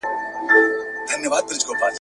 وئېل ئې دغه ټول علامتونه د باران دي !.